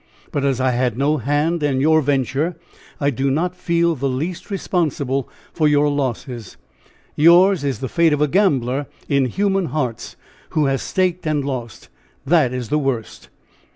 But as I had no hand in your venture, I do not feel the least responsible for your losses. Yours is the fate of a gambler in human hearts who has staked and lost that is the worst!"